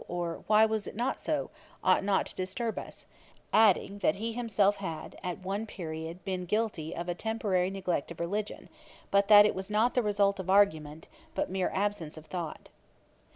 or why was it not so? ought not to disturb us: adding, that he himself had at one period been guilty of a temporary neglect of religion, but that it was not the result of argument, but mere absence of thought.